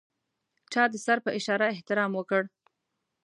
چا د سر په اشاره احترام وکړ.